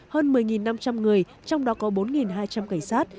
hơn một mươi năm trăm linh người trong đó có bốn hai trăm linh cảnh sát